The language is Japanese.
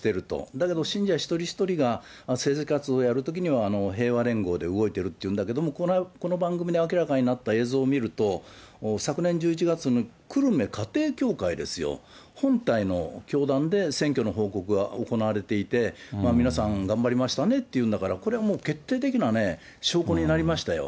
だけど信者一人一人が政治活動をやるときには平和連合で動いてるっていうんだけれども、この番組で明らかになった映像を見ると、昨年１１月に、久留米家庭教会ですよ、本体の教団で選挙の報告が行われていて、皆さん、頑張りましたねっていうんだから、これはもう決定的な証拠になりましたよ。